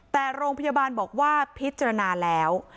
แต่โรงพยาบาลบอกว่าพิจารณาแล้ว